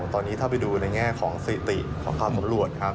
ตอนนี้ถ้าไปดูในแง่ของสถิติของความสำรวจครับ